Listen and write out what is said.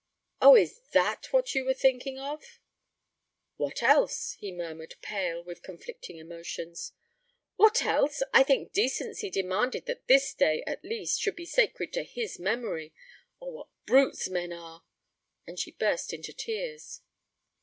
'Oh, is that what you were thinking of?' 'What else?' he murmured, pale with conflicting emotions. 'What else! I think decency demanded that this day, at least, should be sacred to his memory. Oh, what brutes men are!' And she burst into tears.